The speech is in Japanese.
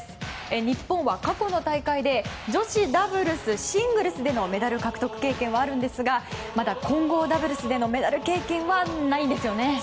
日本は過去の大会で女子ダブルス、シングルスでのメダル獲得経験はあるんですがまだ混合ダブルスでのメダル経験はないんですよね。